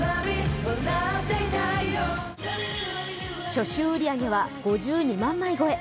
初週売り上げは５２万枚超え。